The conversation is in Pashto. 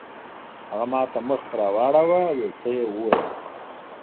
هغه ماته مخ راواړاوه او یو څه یې وویل.